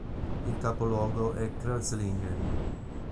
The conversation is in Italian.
Il capoluogo è Kreuzlingen.